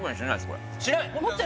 これしない？